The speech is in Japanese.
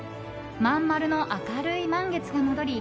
まん丸の明るい満月が戻り